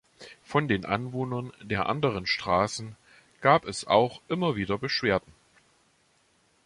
Von den Anwohnern der anderen Straßen gab es auch immer wieder Beschwerden.